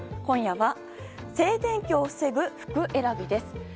今夜は静電気を防ぐ服選びです。